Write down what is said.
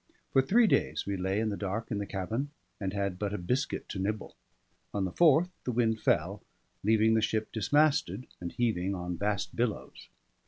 For three days we lay in the dark in the cabin, and had but a biscuit to nibble. On the fourth the wind fell, leaving the ship dismasted and heaving on vast billows.